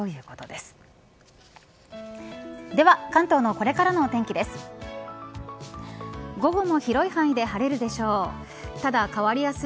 では関東のこれからのお天気です。